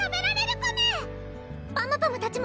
パムパムたちも！